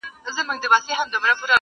سمدستي یې د مرګي مخي ته سپر کړي-